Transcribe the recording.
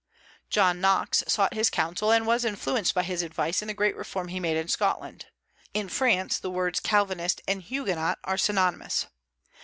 John Knox sought his counsel and was influenced by his advice in the great reform he made in Scotland. In France the words Calvinist and Huguenot are synonymous.